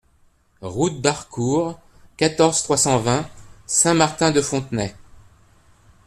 Route d'Harcourt, quatorze, trois cent vingt Saint-Martin-de-Fontenay